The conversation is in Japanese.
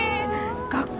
学校？